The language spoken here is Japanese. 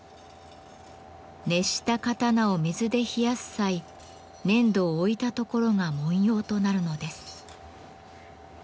熱した刀を水で冷やす際粘土を置いた所が文様となるのです。